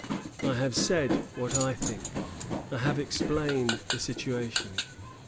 I have said what I think. I have explained the situation.